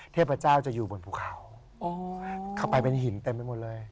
เทพเจ้าจะอยู่บนภูเขาเข้าไปเป็นหินเต็มไปหมดเลย